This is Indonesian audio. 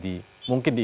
apa yang akan terjadi